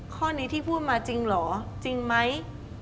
ข้อนี้ที่พูดมาจริงเหรอจริงไหม